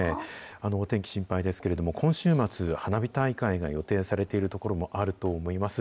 お天気心配ですけれども、今週末、花火大会が予定されている所もあると思います。